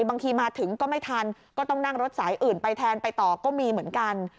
บางทีมาถึงก็ไม่ทันก็ต้องนั่งรถสายอื่นไปแทนไปต่อก็มีเหมือนกัน